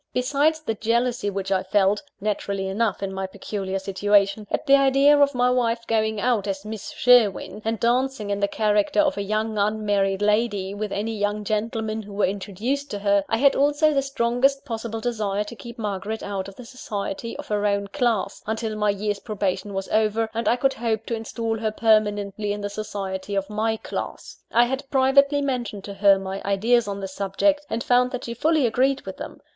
Besides the jealousy which I felt naturally enough, in my peculiar situation at the idea of my wife going out as Miss Sherwin, and dancing in the character of a young unmarried lady with any young gentlemen who were introduced to her, I had also the strongest possible desire to keep Margaret out of the society of her own class, until my year's probation was over, and I could hope to instal her permanently in the society of my class. I had privately mentioned to her my ideas on this subject, and found that she fully agreed with them.